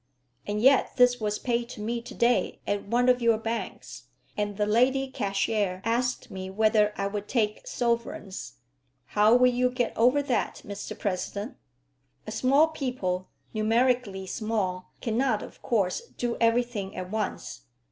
"And yet this was paid to me to day at one of your banks, and the lady cashier asked me whether I would take sovereigns. How will you get over that, Mr President?" A small people, numerically small, cannot of course do everything at once.